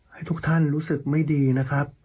ให้ทุกท่านรู้สึกไม่ดีนะครับ